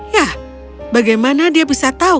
yah bagaimana dia bisa tahu